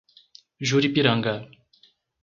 Juripiranga